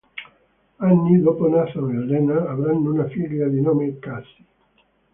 Anni dopo Nathan e Elena avranno una figlia di nome Cassie.